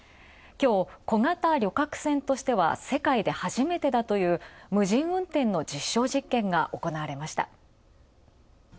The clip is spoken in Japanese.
きょう、小型旅客船としては世界で初めてだという、無人運転の実証実験が行われました。